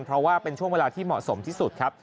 เพราะว่าเป็นช่วงเวลาที่เหมาะสมที่สุดครับ